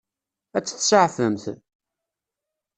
Ad tt-tseɛfemt?